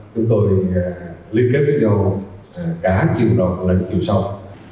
chúng tôi liên kết với nhau cả chiều đầu đến chiều sau